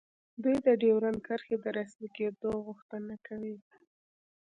دوی د ډیورنډ کرښې د رسمي کیدو غوښتنه کوي